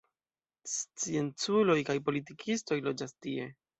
Scienculoj kaj politikistoj loĝas tie.